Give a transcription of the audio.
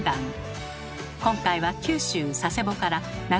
今回は九州佐世保から長崎までの旅。